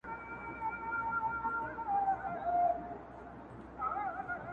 په مجلس کي ږغېدی لکه بلبله!